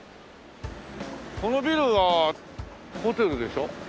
このビルはホテルでしょ？